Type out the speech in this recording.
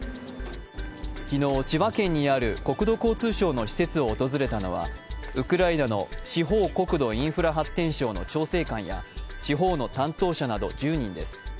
昨日、千葉県にある国土交通省の施設を訪れたのはウクライナの地方国土インフラ発展省の調整官や地方の担当者など１０人です。